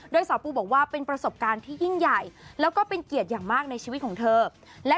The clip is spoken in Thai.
โดยสาวปูบอกว่าเป็นประสบการณ์ที่ยิ่งใหญ่แล้วก็เป็นเกียรติอย่างมากในชีวิตของเธอและ